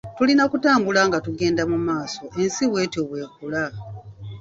Tulina kutambula nga tugenda mumaaso ensi bwetyo bwekula.